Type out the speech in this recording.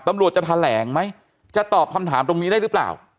ตำรวจจะแถลงไหมจะตอบคำถามตรงนี้ได้หรือเปล่า